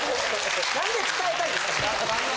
何で伝えたいんですか？